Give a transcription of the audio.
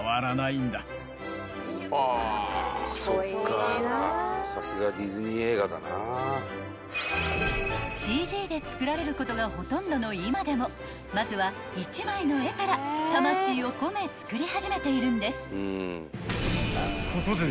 ［おめめめめ］［ＣＧでつくられることがほとんどの今でもまずは１枚の絵から魂を込めつくり始めているんです］